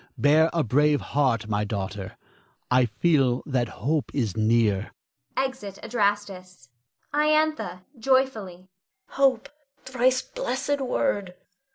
Bear a brave heart, my daughter. I feel that hope is near. [Exit Adrastus. Iantha [joyfully]. Hope, thrice blessed word!